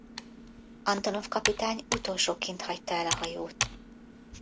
Antonov kapitány utolsóként hagyta el a hajót.